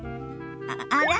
あら？